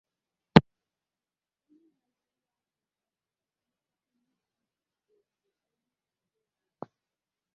onye haziri ya bụ ọgbakọ ma bụrụkwa onyeisi òtù ọrụ obi ebere ahụ